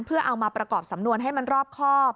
เพื่อเอามาประกอบสำนวนให้มันรอบครอบ